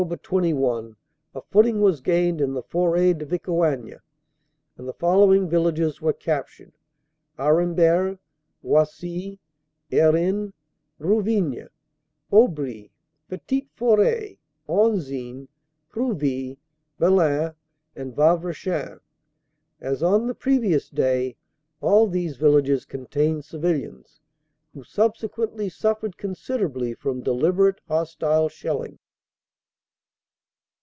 21, a footing was gained in the Foret de Vicoigne, and the following villages were captured : Aremberg, Oisy, Herin, Rouvigne, Aubry, Petite Foret, Anzin, Prouvy, Bellaing and Wavrechain. As on the previous day, all these villages contained civilians, who sub sequently suffered considerably from deliberate hostile shell ing.